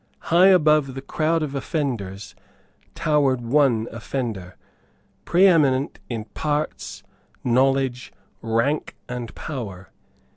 High above the crowd of offenders towered one offender, preeminent in parts, knowledge, rank and power.